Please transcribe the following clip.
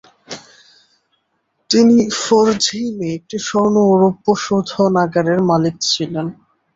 তিনি ফরঝেইমে একটি স্বর্ণ ও রৌপ্য শোধনাগারের মালিক ছিলেন।